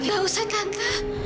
nggak usah tante